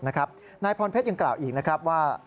นายพรเพชรยังกล่าวอีกว่า